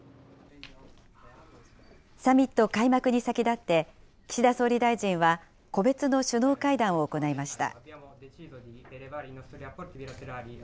サミット開幕に先立って、岸田総理大臣は個別の首脳会談を行いました。